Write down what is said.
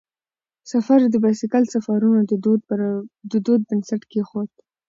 سفر یې د بایسکل سفرونو د دود بنسټ کیښود.